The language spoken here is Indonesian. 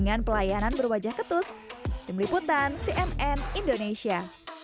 sampai jumpa di video selanjutnya